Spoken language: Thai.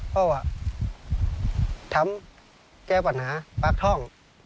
เพราะว่าทำแก้ปัญหาปลากท่อง